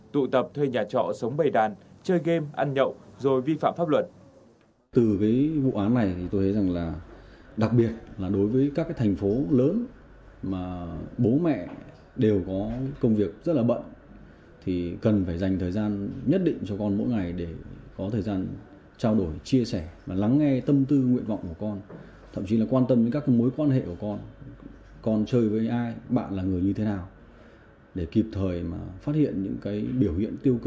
tụ tập thuê nhà trọ sống bầy đàn chơi game ăn nhậu rồi vi phạm pháp luật